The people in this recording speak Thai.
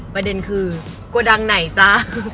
ประเด็นคือโกดังไหนจ๊ะ